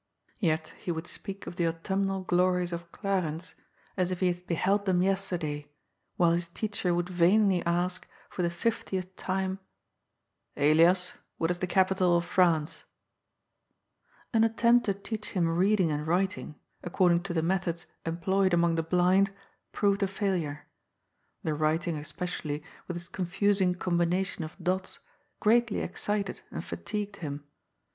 Yet he would speak of the autumnal glories of Clarens, as if he had beheld them yesterday, while his teacher would vainly ask for the fiftieth time :^' Elias, what is the capital of France ?" An attempt to teach him reading and writing, accord ing to the methods employed among the blind, proved a failure. The writing, especially, with its confusing com bination of dots, greatly excited and fatigued him.